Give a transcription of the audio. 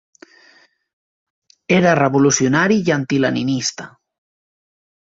Era revolucionar i antileninista.